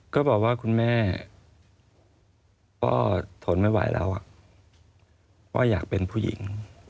ก็บอกว่าคุณแม่พ่อทนไม่ไหวแล้วพ่ออยากเป็นผู้หญิง